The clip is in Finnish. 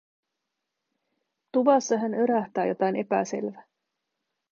Tuvassa hän örähtää, jotain epäselvää.